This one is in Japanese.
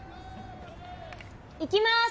いきます！